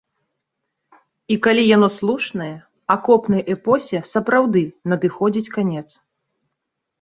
І калі яно слушнае, акопнай эпосе сапраўды надыходзіць канец.